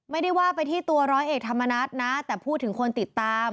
ไม่ได้ว่าไปที่ตัวร้อยเอกธรรมนัฐนะแต่พูดถึงคนติดตาม